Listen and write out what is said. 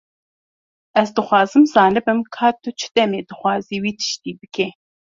Ez dixwazim zanibim ka tu çi demê dixwazî wî tiştî bike.